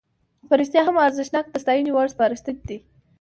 په رښتیا هم ارزښتناکه او د ستاینې وړ سپارښتنې دي.